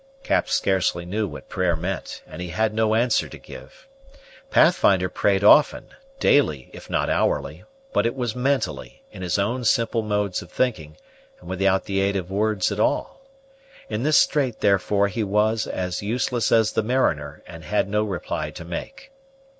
Cap scarcely knew what prayer meant, and he had no answer to give. Pathfinder prayed often, daily, if not hourly; but it was mentally, in his own simple modes of thinking, and without the aid of words at all. In this strait, therefore, he was as useless as the mariner, and had no reply to make.